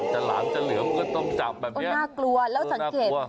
หลามจะเหลือมก็ต้องจับแบบนี้น่ากลัวแล้วสังเกตว่า